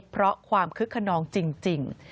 เพราะความคึกขนองจริง